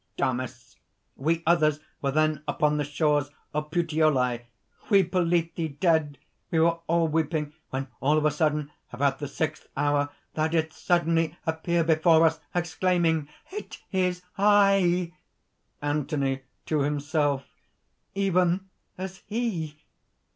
DAMIS. "We others were then upon the shores of Puteoli, we believed thee dead; we were all weeping, when all of a sudden about the sixth hour, thou didst suddenly appear before us, exclaiming: 'It is I.'" ANTHONY (to himself). "Even as He...!"